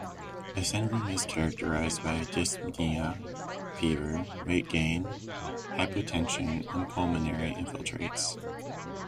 The syndrome is characterized by dyspnea, fever, weight gain, hypotension, and pulmonary infiltrates.